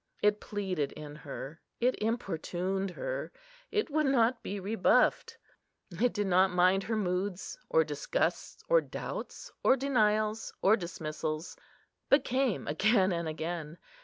It pleaded in her; it importuned her; it would not be rebuffed. It did not mind her moods, or disgusts, or doubts, or denials, or dismissals, but came again and again.